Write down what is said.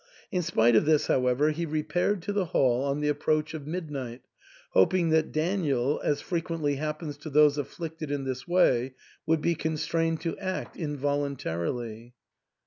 In spite of this, however, he repaired to the hall on the approach of midnight, hoping that Daniel, as frequently happens to those afflicted in this way, would be con strained to act involuntarily.